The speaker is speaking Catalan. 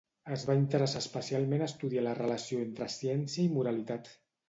Es va interessar especialment a estudiar la relació entre ciència i moralitat.